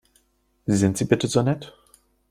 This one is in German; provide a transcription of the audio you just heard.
Sind Sie bitte so nett?